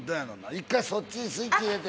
１回そっちスイッチ入れて。